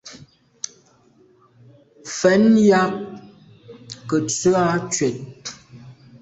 Mfen yag ke ntswe à ntshwèt.